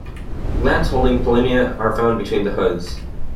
Glands holding pollinia are found between the hoods.